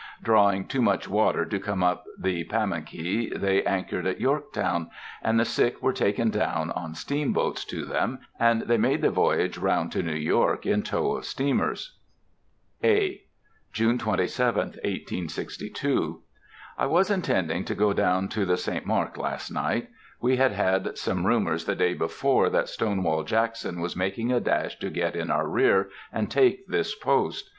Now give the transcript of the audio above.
Drawing too much water to come up the Pamunkey, they anchored at Yorktown, and the sick were taken down on steamboats to them, and they made the voyage round to New York in tow of steamers. (A.) June 27th, 1862. I was intending to go down to the St. Mark last night. We had had some rumors the day before that Stonewall Jackson was making a dash to get in our rear, and take this post.